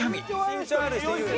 身長ある人有利。